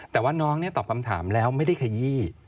แต่ว่าน้องตอบคำถามแล้วไม่ได้ขยี้